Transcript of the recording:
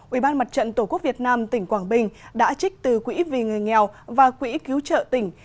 ủy ban mặt trận tổ quốc việt nam tỉnh quảng bình đã trích từ quỹ vì người nghèo và quỹ cứu trợ tỉnh